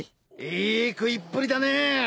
いい食いっぷりだね。